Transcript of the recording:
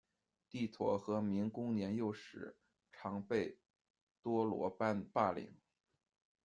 帝陀与明恭年幼时，常被多罗般霸凌。